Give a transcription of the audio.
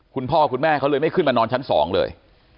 คุณพ่อคุณแม่เขาเลยไม่ขึ้นมานอนชั้น๒เลย